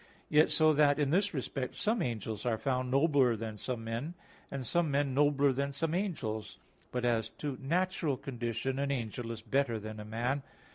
Yet so that, in this respect, some angels are found nobler than some men, and some men nobler than some angels. But as to natural condition an angel is better than a man.